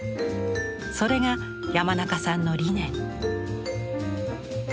それが山中さんの理念。